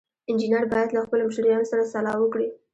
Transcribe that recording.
انجینر باید له خپلو مشتریانو سره سلا وکړي.